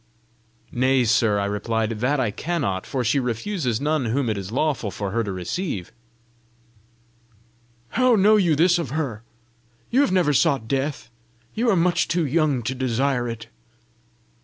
"Nay, sir," I replied, "that I cannot; for she refuses none whom it is lawful for her to receive." "How know you this of her? You have never sought death! you are much too young to desire it!"